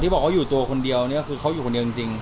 อ๋อที่บอกเค้าอยู่ตัวคนเดียวนี่ก็คือเค้าอยู่คนเดียวจริง